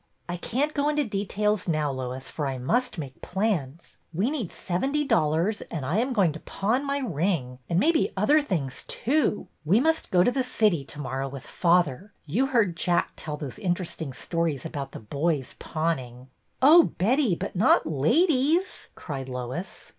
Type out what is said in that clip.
I can't go into details now, Lois, for I must make plans. We need seventy dollars, and I am going to pawn my ring, and maybe other things, too. We must go to the city to morrow with father. You heard Jack tell those interesting stories about the boys pawning." Oh, Betty, but not ladies !" cried Lois.